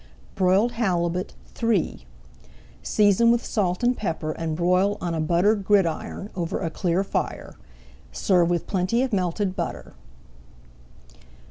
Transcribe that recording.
BROILED HALIBUT III Season with salt and pepper and broil on a buttered gridiron over a clear fire. Serve with plenty of melted butter.